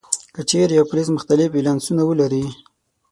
که چیرې یو فلز مختلف ولانسونه ولري.